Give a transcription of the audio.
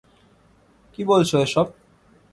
কী বলছ এসব?